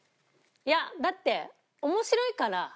いやだって面白いから。